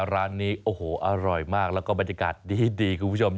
ร้านนี้โอ้โหอร่อยมากแล้วก็บรรยากาศดีคุณผู้ชม